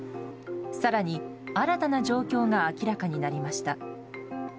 更に、新たな状況が明らかになりました。